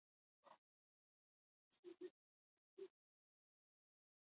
Taldea guztiz osatu eta bi hilabetera lehen kontzertua eman zuten.